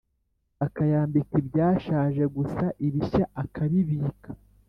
Akayambika ibyashaje gusa ibishya akabibika